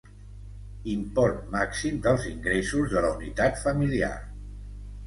Import màxim dels ingressos de la unitat familiar.